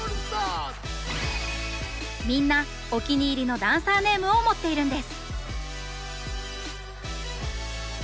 みんなお気に入りのダンサーネームを持っているんです！